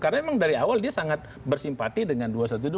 karena memang dari awal dia sangat bersimpati dengan dua ratus dua belas